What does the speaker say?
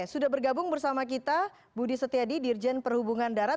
sudah bergabung bersama kita budi setiadi dirjen perhubungan darat